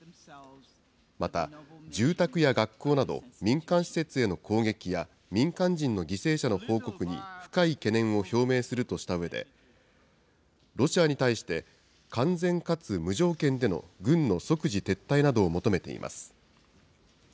また、住宅や学校など民間施設への攻撃や、民間人の犠牲者の報告に深い懸念を表明するとしたうえで、ロシアに対して、完全かつ無条件での軍の即時撤退などを求めています。